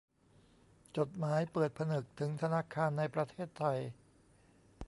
จดหมายเปิดผนึกถึงธนาคารในประเทศไทย